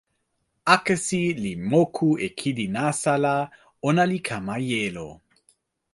akesi li moku e kili nasa la ona li kama jelo.